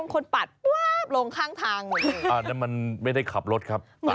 บางคนปัดปว๊าบลงข้างทางอ่าแต่มันไม่ได้ขับรถครับ